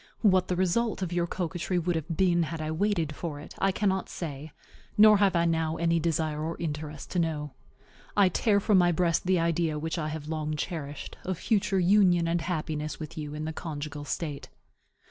What the result of your coquetry would have been had I waited for it, I cannot say; nor have I now any desire or interest to know. I tear from my breast the idea which I have long cherished of future union and happiness with you in the conjugal state.